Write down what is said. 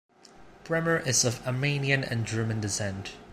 Bremmer is of Armenian and German descent.